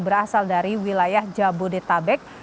berasal dari wilayah jabodetabek